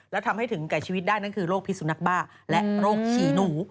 แล้วทำให้ถึงแก่ชีวิตได้นั่นคือโรคพิสุนักบ้าและโรคฉี่หนู